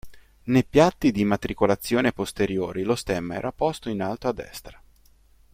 Nei piatti d'immatricolazione posteriori lo stemma era posto in alto a destra.